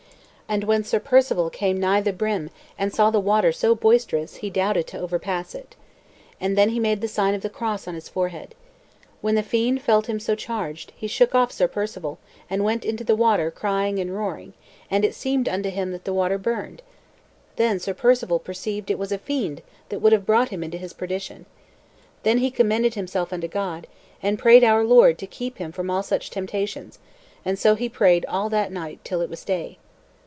And when Sir Perceval came nigh the brim and saw the water so boisterous he doubted to overpass it. And then he made the sign of the cross on his forehead. When the fiend felt him so charged, he shook off Sir Perceval, and went into the water crying and roaring; and it seemed unto him that the water burned. Then Sir Perceval perceived it was a fiend that would have brought him unto his perdition. Then he commended himself unto God, and prayed our Lord to keep him from all such temptations; and so he prayed all that night till it was day.